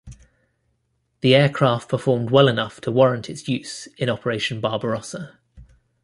The aircraft performed well enough to warrant its use in Operation Barbarossa.